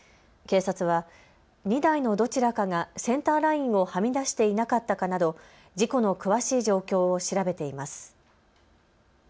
警察は２台のどちらかがセンターラインをはみ出していなかったかなど事故の詳しい状況を調べています。